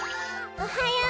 おはよう！